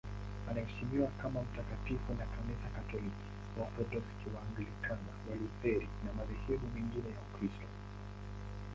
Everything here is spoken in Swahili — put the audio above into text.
Anaheshimiwa kama mtakatifu na Kanisa Katoliki, Waorthodoksi, Waanglikana, Walutheri na madhehebu mengine ya Ukristo.